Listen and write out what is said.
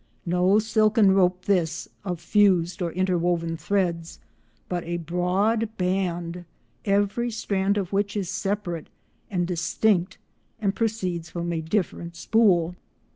No silken rope, this, of fused or interwoven threads, but a broad band, every strand of which is separate and distinct and proceeds from a different spool.